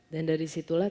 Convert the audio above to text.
dan dari situlah